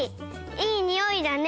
いいにおいだね。